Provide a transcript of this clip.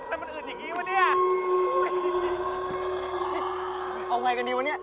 เอาง่ายกันดีว่ะเนี่ย